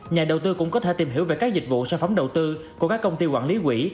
nhà đầu tư cũng có thể tìm hiểu về các dịch vụ sản phẩm đầu tư của các công ty quản lý quỹ